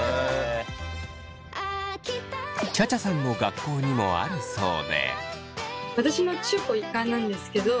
ちゃちゃさんの学校にもあるそうで。